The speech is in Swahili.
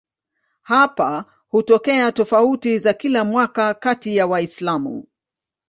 Hapa hutokea tofauti za kila mwaka kati ya Waislamu.